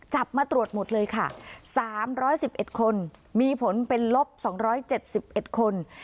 มาตรวจหมดเลยค่ะ๓๑๑คนมีผลเป็นลบ๒๗๑คน